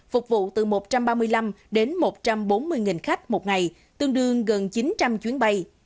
phục vụ từ một trăm ba mươi năm đến một trăm bốn mươi khách một ngày tương đương gần chín trăm linh chuyến bay